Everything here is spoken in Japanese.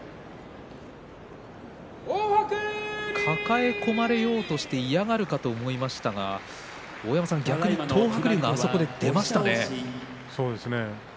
抱え込まれようにして嫌がるかと思いましたけども逆に大山さん、東白龍が出ましたね。